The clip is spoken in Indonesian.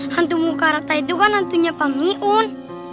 hantu mukarata itu kan hantunya pak miun